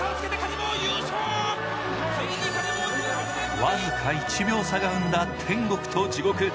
僅か１秒差が生んだ天国と地獄。